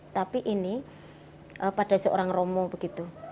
tapi ini pada seorang romo begitu